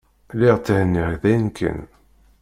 Lliɣ thenniɣ dayen kan.